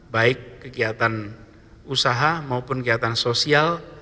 baik kegiatan usaha maupun kegiatan sosial